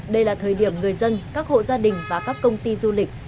đây là thời điểm người dân các hộ gia đình và các công ty du lịch